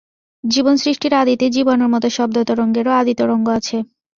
জীবনসৃষ্টির আদিতে জীবাণুর মত শব্দতরঙ্গেরও আদি-তরঙ্গ আছে।